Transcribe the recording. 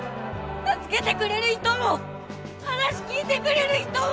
助けてくれる人も話聞いてくれる人も！